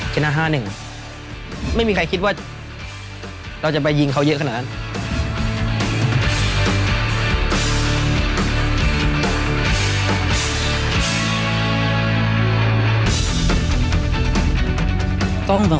๕๑ไม่มีใครคิดว่าเราจะไปยิงเขาเยอะขนาดนั้น